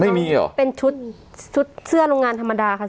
ไม่มีเหรอเป็นชุดชุดเสื้อโรงงานธรรมดาค่ะ